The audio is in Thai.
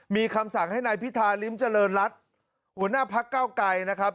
มีคำสั่งให้นายพิธาริมเจริญรัฐหัวหน้าพักเก้าไกรนะครับ